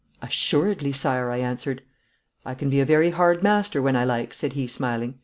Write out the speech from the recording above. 'Assuredly, Sire,' I answered. 'I can be a very hard master when I like,' said he smiling.